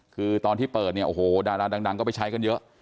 คือตอนที่เปิดเนี่ยโอ้โหดาราดังก็ไปใช้กันเยอะ